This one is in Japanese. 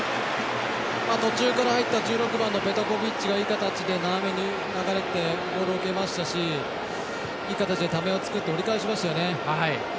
途中から入った１６番のペトコビッチが斜めに流れてボールを受けましたしいい形で、ためを作って折り返しましたよね。